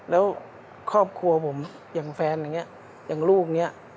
แล้วครอบครัวผมอย่างแฟนอย่างนี้อย่างลูกเนี่ย